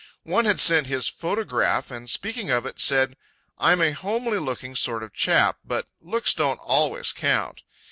One had sent his photograph, and speaking of it, said, "I'm a homely looking sort of a chap, but looks don't always count."